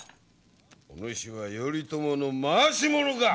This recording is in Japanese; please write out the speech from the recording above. お主は頼朝の回し者か！